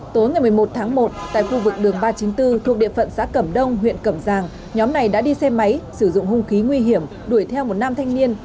tối ngày một mươi một tháng một tại khu vực đường ba trăm chín mươi bốn thuộc địa phận xã cẩm đông huyện cẩm giang nhóm này đã đi xe máy sử dụng hung khí nguy hiểm đuổi theo một nam thanh niên